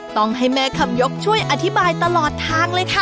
ต้องให้แม่คำยกช่วยอธิบายตลอดทางเลยค่ะ